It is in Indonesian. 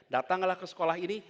datanglah ke sekolah ini